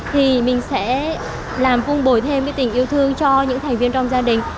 thì mình sẽ làm phung bồi thêm cái tình yêu thương cho những thành viên trong gia đình